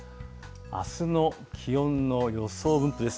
あすの気温の予想分布です。